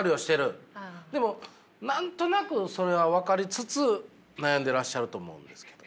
でも何となくそれは分かりつつ悩んでらっしゃると思うんですけど。